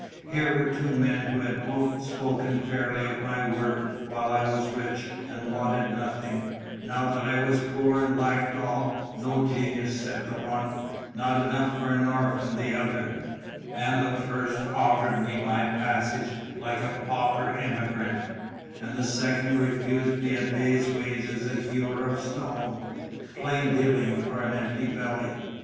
Here were two men who had both spoken fairly of my work while I was rich and wanted nothing; now that I was poor and lacked all: "no genius," said the one; "not enough for an orphan," the other; and the first offered me my passage like a pauper immigrant, and the second refused me a day's wage as a hewer of stone plain dealing for an empty belly.